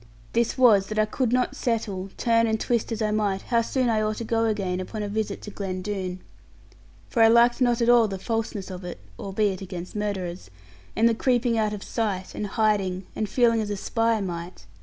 This was, that I could not settle, turn and twist as I might, how soon I ought to go again upon a visit to Glen Doone. For I liked not at all the falseness of it (albeit against murderers), the creeping out of sight, and hiding, and feeling as a spy might.